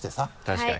確かに。